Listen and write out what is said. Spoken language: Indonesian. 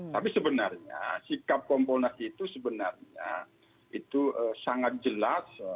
tapi sebenarnya sikap kompolnas itu sebenarnya itu sangat jelas